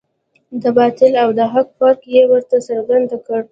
د باطل او د حق فرق یې ورته څرګند کړ.